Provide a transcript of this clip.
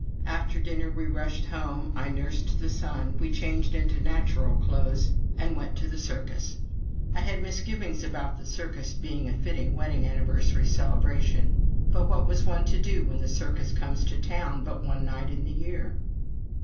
After dinner we rushed home, I nursed the son, we changed into natural clothes, and went to the circus. I had misgivings about the circus being a fitting wedding anniversary celebration; but what was one to do when the circus comes to town but one night in the year?